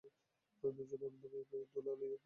দুজনে আনন্দময়ীর পায়ের ধুলা লইয়া প্রণাম করিল।